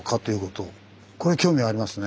これ興味ありますね。